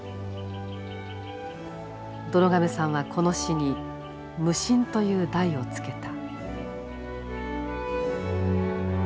どろ亀さんはこの詩に「無心」という題を付けた。